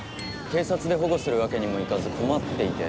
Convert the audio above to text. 警察で保護するわけにもいかず困っていて。